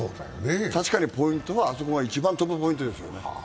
確かにポイントは、あそこが一番飛ぶポイントですね。